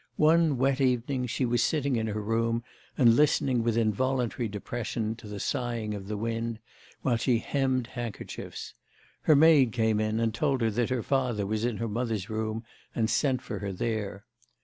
One wet evening she was sitting in her room, and listening with involuntary depression to the sighing of the wind, while she hemmed handkerchiefs. Her maid came in and told her that her father was in her mother's room and sent for her there.